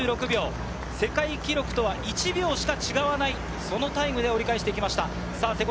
１時間１２分２６秒、世界記録とは１秒しか違わない、そのタイムで折り返してきました。